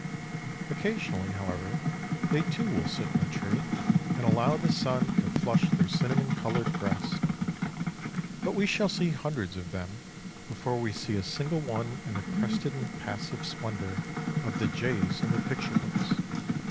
Occasionally, however, they too will sit in a tree and allow the sun to flush their cinnamon coloured breasts. But we shall see hundreds of them before we see a single one in the crested and passive splendour of the jays in the picture books.